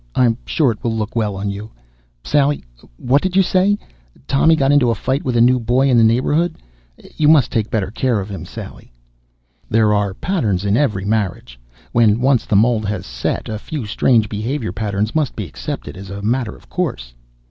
I'm sure it will look well on you, Sally. What did you say? Tommy got into a fight with a new boy in the neighborhood? You must take better care of him, Sally." There are patterns in every marriage. When once the mold has set, a few strange behavior patterns must be accepted as a matter of course.